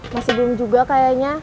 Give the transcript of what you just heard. masih belum juga kayaknya